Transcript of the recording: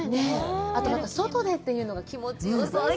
あと、外でというのが気持ちよさそう。